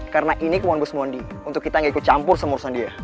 karena ini kemohon bos mondi untuk kita gak ikut campur sama urusan dia